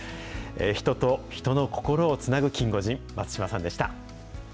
人と人の心をつなぐキンゴジン、松島さんでした。